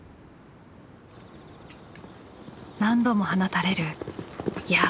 何度も放たれる矢。